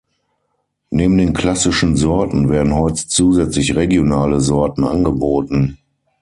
Neben den klassischen Sorten werden heute zusätzlich regionale Sorten angeboten.